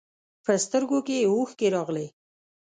په سترګو کې یې اوښکې راغلې.